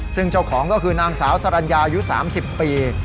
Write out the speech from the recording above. ซึ่งเจ้าของก็คือนางสาวสรรญาอายุ๓๐ปี